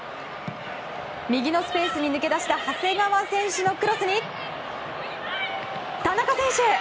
右のスペースに抜け出した長谷川選手にクロスに、田中選手！